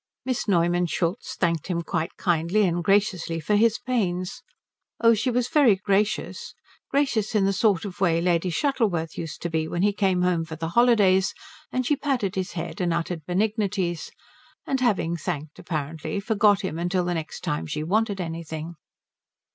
Miss Neumann Schultz thanked him quite kindly and graciously for his pains oh, she was very gracious; gracious in the sort of way Lady Shuttleworth used to be when he came home for the holidays and she patted his head and uttered benignities and having thanked, apparently forgot him till the next time she wanted anything.